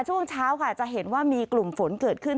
ช่วงเช้าค่ะจะเห็นว่ามีกลุ่มฝนเกิดขึ้น